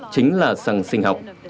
chính là xăng sinh học